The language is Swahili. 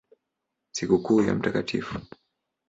Sikukuu ya Mt.